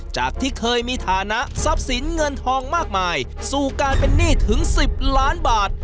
จากที่เคยมีฐานะทรัพย์สินเงินทองมากมายสู่การเป็นหนี้ถึง๑๐ล้านบาท